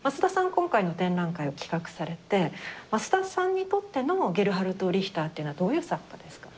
今回の展覧会を企画されて桝田さんにとってのゲルハルト・リヒターっていうのはどういう作家ですか？